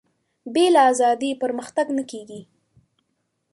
بې له ازادي پرمختګ نه کېږي.